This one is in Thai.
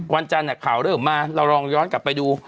วันจันทร์ข่าวเริ่มมาเราลองย้อนกลับไปดู